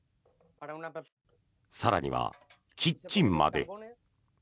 更にはキッチンまで。